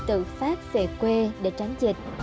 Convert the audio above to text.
tự phát về quê để tránh dịch